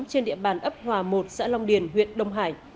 trên địa bàn ấp hòa một xã long điền huyện đông hải